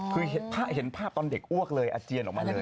คือเห็นภาพตอนเด็กอ้วกเลยอาเจียนออกมาเลย